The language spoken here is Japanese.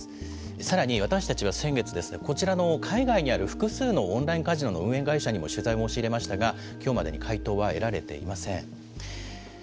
さらに私たちは先月こちらの海外にある複数のオンラインカジノの運営会社にも取材を申し入れましたが今日までに回答は得られていません。